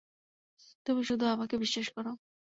তুমি শুধু আমাকে বিশ্বাস করো।